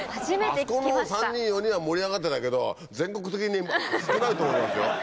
あそこの３人４人は盛り上がってたけど全国的には少ないと思いますよ。